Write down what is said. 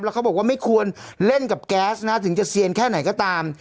เขาบอกว่าไม่ควรเล่นกับแก๊สนะถึงจะเซียนแค่ไหนก็ตาม